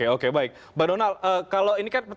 oke baik mbak donald kalau ini kan